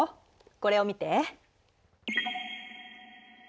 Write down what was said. これを見て。